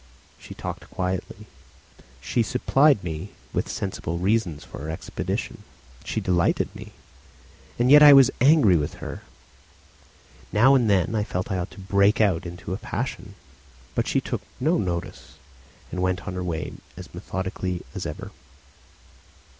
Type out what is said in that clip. She talked quietly. She supplied me with sensible reasons for our expedition. She delighted me, and yet I was angry with her. Now and then I felt I ought to break out into a passion, but she took no notice and went on her way as methodically as ever.